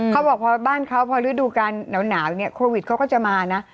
เขาบอกพอบ้านเขาพอฤดูการหนาวเนี่ยโควิดเขาก็จะมานะ